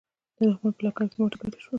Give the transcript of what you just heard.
د دښمن په لښکر کې ماته ګډه شوه.